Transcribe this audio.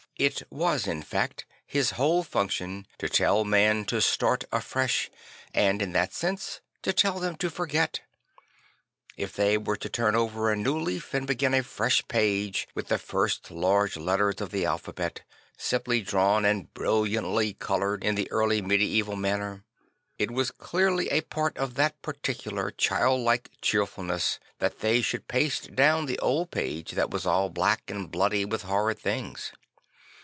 It was in fact his whole function to tell men to start afresh and, in that sense, to tell them to forget. If they were to turn over a new lèaf and begin a fresh page with the first large letters of the alphabet, simply drawn and brilliantly coloured in the early medieval manner, it was clearly a part of that particular childlike cheerfulness that they should paste down the old page that was all black and bloody with horrid things.